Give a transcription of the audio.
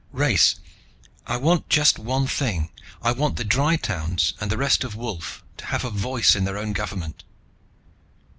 Race, I want just one thing. I want the Dry towns and the rest of Wolf, to have a voice in their own government.